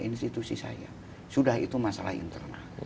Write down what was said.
institusi saya sudah itu masalah internal